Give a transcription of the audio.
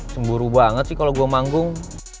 cemburu banget sih kalau gue manggung